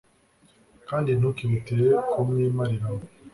kandi ntukihutire kumwimariramo